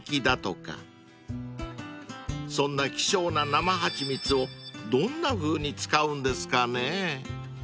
［そんな希少な生はちみつをどんなふうに使うんですかね？］